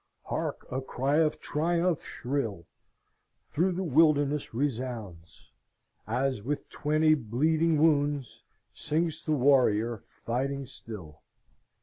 Hark! a cry of triumph shrill Through the wilderness resounds, As, with twenty bleeding wounds, Sinks the warrior, fighting still.